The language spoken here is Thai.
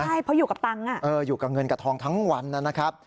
ใช่เพราะอยู่กับตังค์อยู่กับเงินกับทองทั้งวันนะครับ